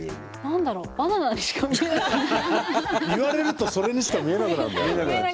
言われるとそれにしか見えなくなるんだよね。